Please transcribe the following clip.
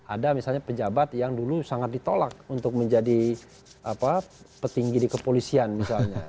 ada misalnya pejabat yang dulu sangat ditolak untuk menjadi petinggi di kepolisian misalnya